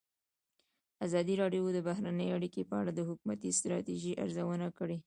ازادي راډیو د بهرنۍ اړیکې په اړه د حکومتي ستراتیژۍ ارزونه کړې.